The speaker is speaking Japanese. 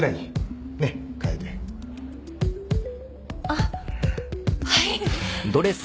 あっはい。